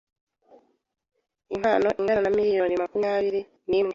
impano ingana na miliyoni makumyabiri n imwe